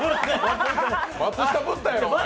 松下ぶっただろ。